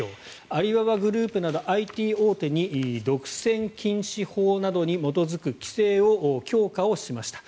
アリババグループなどＩＴ大手に独占禁止法などに基づく規制を強化しました。